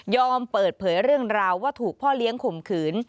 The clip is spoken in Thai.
เปิดเผยเรื่องราวว่าถูกพ่อเลี้ยงข่มขืน